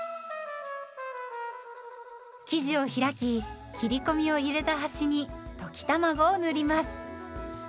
生地を開き切り込みを入れた端に溶き卵を塗ります。